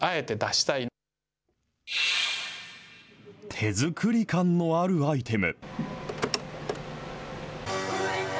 手作り感のあるアイテム。